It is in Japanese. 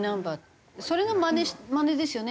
それのまねですよね？